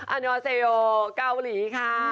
อันวาเซโยเกาหลีค่ะ